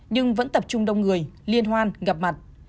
nhưng vẫn tập trung đông người liên hoan gặp mặt